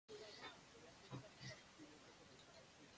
聡明な女性に憧れる